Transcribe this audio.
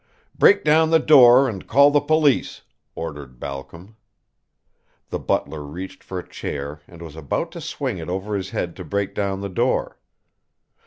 "Break down the door and call the police," ordered Balcom. The butler reached for a chair and was about to swing it over his head to break down the door.